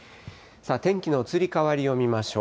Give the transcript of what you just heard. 天気の移り変わりを見ましょう。